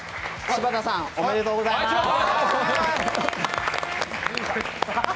柴田さん、おめでとうございます！